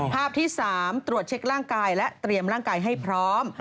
ภาพที่๓ตรวจเช็คร่างกายและเตรียมร่างกายให้พร้อม